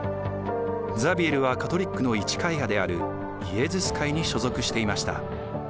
ザビエルはカトリックの一会派であるイエズス会に所属していました。